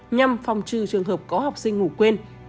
nhằm phòng trừ trường hợp có học sinh ngủ quên